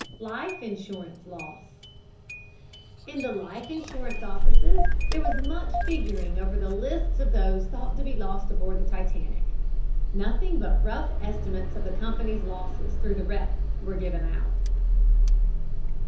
LIFE INSURANCE LOSS In the life insurance offices there was much figuring over the lists of those thought to be lost aboard the Titanic. Nothing but rough estimates of the company's losses through the wreck were given out.